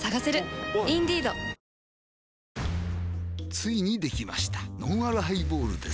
ついにできましたのんあるハイボールです